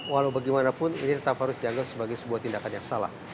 walau bagaimanapun ini tetap harus dianggap sebagai sebuah tindakan yang salah